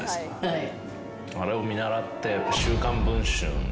はい。